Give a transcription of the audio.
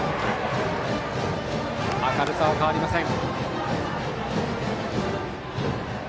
明るさは変わりません。